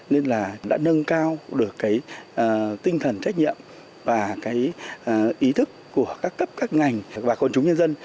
nên là đã nâng cao được cái tinh thần trách nhiệm và cái ý thức của các cấp các ngành và quân chúng nhân dân